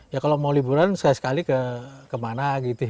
ya kalau mau liburan saya sekali kemana gitu